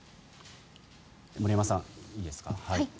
森山さん、いいですか。